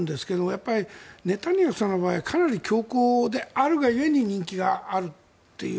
やっぱりネタニヤフさんの場合かなり強硬であるが故に人気があるという。